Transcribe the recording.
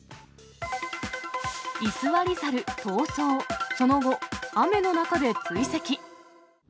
居座り猿逃走、その後、雨の中で追跡。